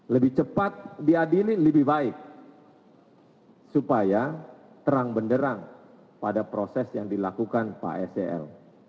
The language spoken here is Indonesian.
lebih cepat diadili lebih baik supaya terang benderang pada proses yang dilakukan pak sel